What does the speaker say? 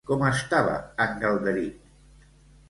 Com estava en Galderic?